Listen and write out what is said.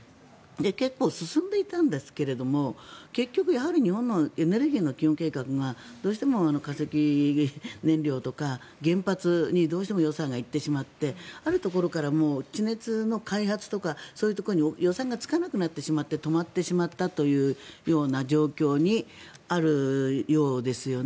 結構進んでいたんですけれども結局、やはり日本のエネルギーの基本計画がどうしても化石燃料とか原発にどうしても予算がいってしまってあるところから地熱の開発とかそういうところに予算がつかなくなってしまって止まってしまったというような状況にあるようですよね。